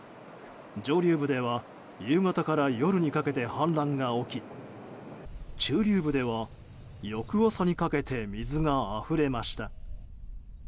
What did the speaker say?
上流部では夕方から夜にかけて氾濫が起き中流部では、翌朝にかけて水があふれました。